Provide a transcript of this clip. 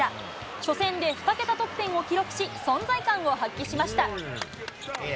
初戦で２桁得点を記録し、存在感を発揮しました。